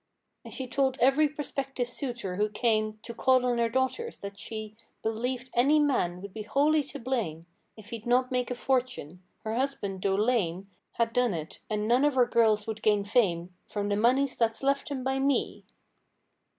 And she told every prospective suitor who came To call on her daughters, that she Believed any man would be wholly to blame If he'd not make a fortune. Her husband, though lame. Had done it; and none of her girls would gain fame— "From the monies that's left 'em by me."